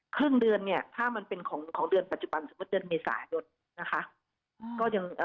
ครึ่งเดือนถ้ามันเป็นของเดือนปัจจุบันเช่นเดือนเมษายน